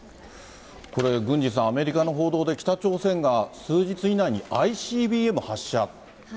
これ、郡司さん、アメリカの報道で北朝鮮が数日以内にＩＣＢＭ発射。